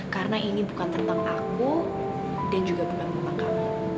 karena ini bukan tentang aku dan juga bukan tentang kamu